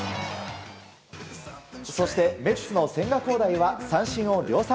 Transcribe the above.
そしてメッツの千賀滉大は三振を量産。